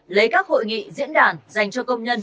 lấy các hội nghị diễn đàn dành cho công nhân